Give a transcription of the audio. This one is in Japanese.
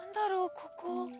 ここ。